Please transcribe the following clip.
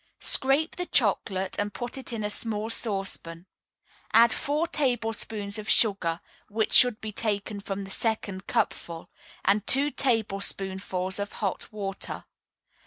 Scrape the chocolate, and put it in a small saucepan. Add four tablespoonfuls of sugar (which should be taken from the second cupful) and two tablespoonfuls of hot water.